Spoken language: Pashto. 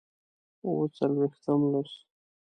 اووه څلوېښتم لوست